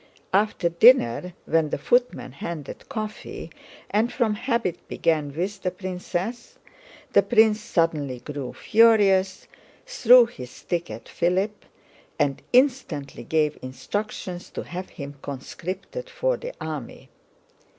After dinner, when the footman handed coffee and from habit began with the princess, the prince suddenly grew furious, threw his stick at Philip, and instantly gave instructions to have him conscripted for the army.